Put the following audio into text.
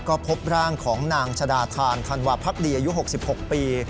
ก็พบร่างของนางชะดาธานธันวาพักดีอายุ๖๖ปี